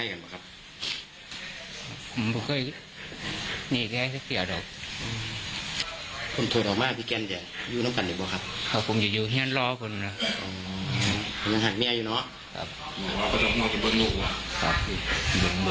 อ้าไม่ต้องมั่งมีเก่าลูกบอกดีแล้ว